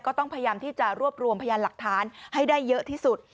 ก็ต้องพยายามที่จะรวบรวมพยานหลักฐานให้ได้เยอะที่สุด